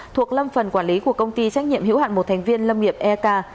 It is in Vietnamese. thuộc lâm phần quản lý của công ty trách nhiệm hiệu hạn một thành viên lâm nghiệp erk